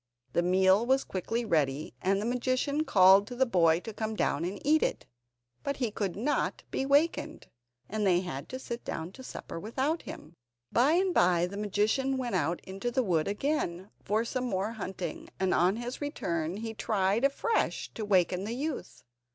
The meal was quickly ready, and the magician called to the boy to come down and eat it, but he could not be wakened, and they had to sit down to supper without him. By and by the magician went out into the wood again for some more hunting, and on his return he tried afresh to waken the youth.